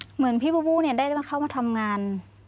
เหมือนพี่บูบูเนี่ยได้มาเข้ามาทำงาน